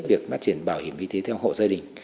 việc phát triển bảo hiểm y tế theo hộ gia đình